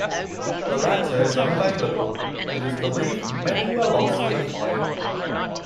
The latter is unavailable, and it is believed many were lost in a fire.